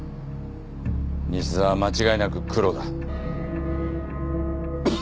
西沢は間違いなくクロだ。